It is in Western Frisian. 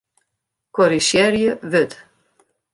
Korrizjearje wurd.